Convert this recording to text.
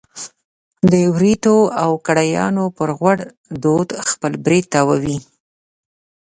د وریتو او کړایانو پر غوړ دود خپل برېت تاووي.